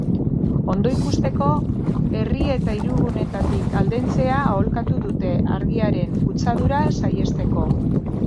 Ondo ikusteko, herri eta hiriguneetatik aldentzea aholkatu dute, argiaren kutsadura saihesteko.